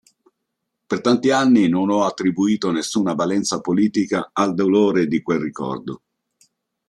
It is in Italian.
Per tanti anni non ho attribuito nessuna valenza politica al dolore di quel ricordo.